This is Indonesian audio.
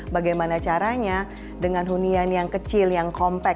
bagaimana caranya dengan hunian yang kecil yang compact